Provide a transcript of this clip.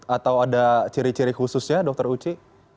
atau ada ciri ciri khususnya dr uci